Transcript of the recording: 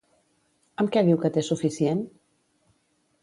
Amb què diu que té suficient?